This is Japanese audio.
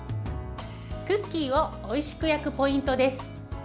クッキーをおいしく焼くポイントです。